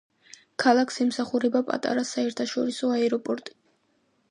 ქალაქს ემსახურება პატარა საერთაშორისო აეროპორტი.